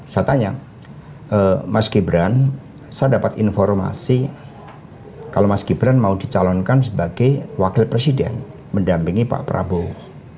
saya tanya mas gibran saya dapat informasi kalau mas gibran mau dicalonkan sebagai wakil presiden mendampingi pak prabowo